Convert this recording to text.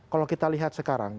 kalau kita lihat sekarang